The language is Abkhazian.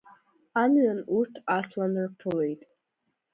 Амҩан урҭ аслан рԥылеит.